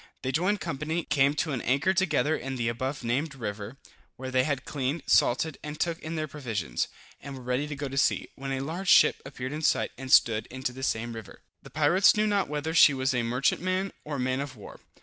They joined company, came to an anchor together in the above named river, where they had cleaned, salted and took in their provisions, and were ready to go to sea, when a large ship appeared in sight, and stood into the same river. The pirates knew not whether she was a merchantman or man of war.